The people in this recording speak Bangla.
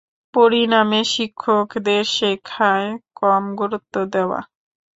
পরিণামে শিক্ষকদের শেখায় কম গুরুত্ব দেওয়া।